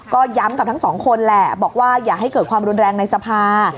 ก็ย้ำกับทั้งสองคนแหละบอกว่าอย่าให้เกิดความรุนแรงในสภา